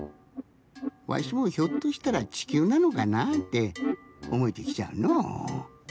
わしもひょっとしたらちきゅうなのかなっておもえてきちゃうのう。